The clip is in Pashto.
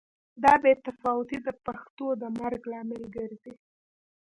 دا بې تفاوتي د پښتو د مرګ لامل ګرځي.